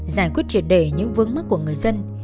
giải quyết triệt đề những vướng mắt của người dân